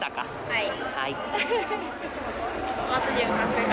はい。